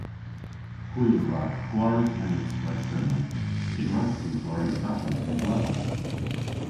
Hwi a wra gwari tennis rag Kernow kyn hwrewgh hwi gwari badminton gwell.